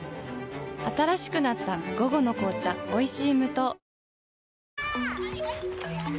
新しくなった「午後の紅茶おいしい無糖」